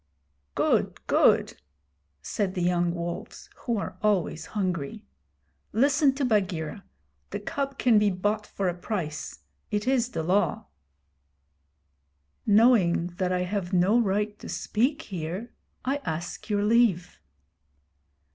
'Good! good!' said the young wolves, who are always hungry. 'Listen to Bagheera. The cub can be bought for a price. It is the Law.' 'Knowing that I have no right to speak here, I ask your leave.'